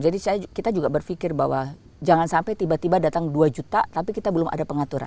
jadi kita juga berpikir bahwa jangan sampai tiba tiba datang dua juta tapi kita belum ada pengaturan